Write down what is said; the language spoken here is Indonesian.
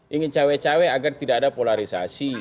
ingin cawai cawai agar tidak ada polarisasi